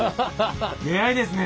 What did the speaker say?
「出会いですね」